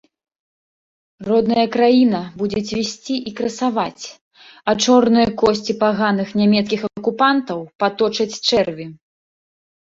Родная краіна будзе цвісці і красаваць, а чорныя косці паганых нямецкіх акупантаў паточаць чэрві.